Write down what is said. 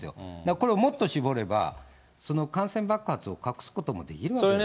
これをもっと絞れば、その感染爆発を隠すこともできるわけですよ。